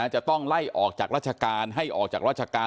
จะต้องไล่ออกจากราชการให้ออกจากราชการ